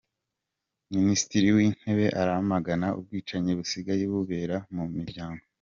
Minisitiri w’Intebe aramagana ubwicanyi busigaye bubera mu miryango